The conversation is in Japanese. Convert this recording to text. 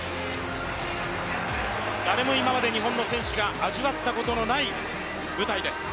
誰も今まで日本の選手が味わったことのない世界です。